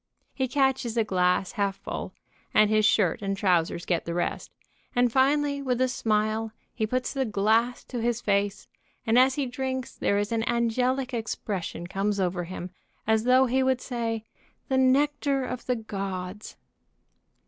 He catches a glass half full, and his shirt and trousers get the rest, and finally with a smile he puts the glass to his face, and as he drinks there is an angelic expression comes over him as though he would say, "The nectar of the gods."